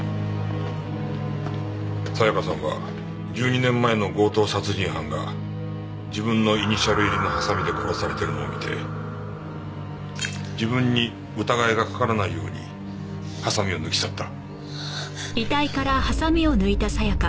沙也加さんは１２年前の強盗殺人犯が自分のイニシャル入りのハサミで殺されてるのを見て自分に疑いがかからないようにハサミを抜き去った。